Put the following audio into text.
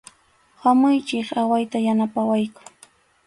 Hamuychik, awayta yanapawayku.